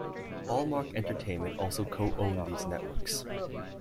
Hallmark Entertainment also co-owned these networks.